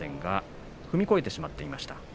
踏み越えてしまいましたね